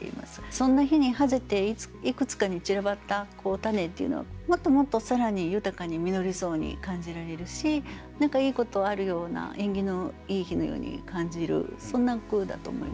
そんな日に爆ぜていくつかに散らばった種っていうのはもっともっと更に豊かに実りそうに感じられるし何かいいことあるような縁起のいい日のように感じるそんな句だと思います。